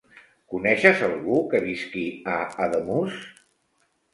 Coneixes algú que visqui a Ademús?